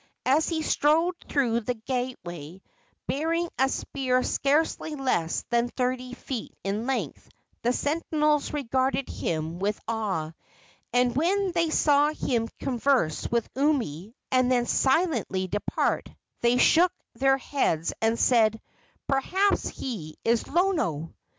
As he strode through the gateway, bearing a spear scarcely less than thirty feet in length, the sentinels regarded him with awe; and when they saw him converse with Umi and then silently depart, they shook their heads and said, "Perhaps he is Lono!"